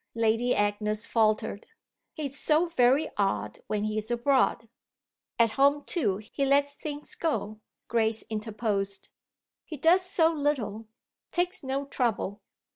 Lady Agnes faltered. "He's so very odd when he's abroad!" "At home too he lets things go," Grace interposed. "He does so little takes no trouble."